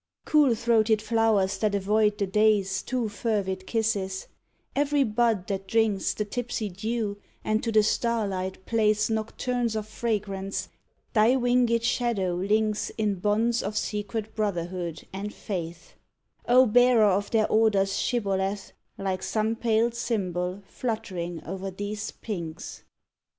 Cool throated flowers that avoid the day's Too fervid kisses; every bud that drinks The tipsy dew and to the starlight plays Nocturnes of fragrance, thy winged shadow links In bonds of secret brotherhood and faith; O bearer of their order's shibboleth, Like some pale symbol fluttering o'er these pinks.